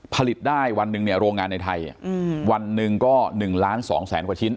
ผลิตได้วันหนึ่งเนี่ยโรงงานในไทยวันหนึ่งก็๑ล้าน๒แสนกว่าชิ้น